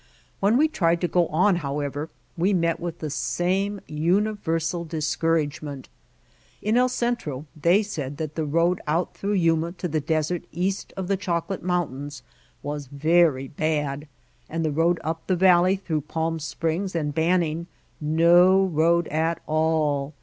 When we tried to go on, however, we met with the same universal discouragement. In El Centro they said that the road out through Yuma to the desert east of the Chocolate Moun tains was very bad, and the road up the Valley through Palm Springs and Banning no road at all.